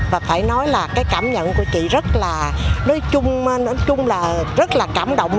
và phải nói là cái cảm nhận của chị rất là nói chung là rất là cảm động